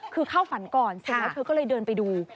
คือเข้าฝันก่อนเสร็จแล้วเธอก็เลยเดินไปดู